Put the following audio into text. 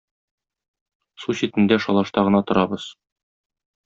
Су читендә шалашта гына торабыз.